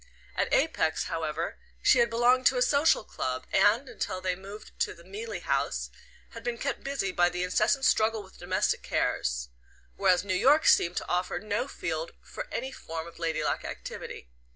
At Apex, however, she had belonged to a social club, and, until they moved to the Mealey House, had been kept busy by the incessant struggle with domestic cares; whereas New York seemed to offer no field for any form of lady like activity.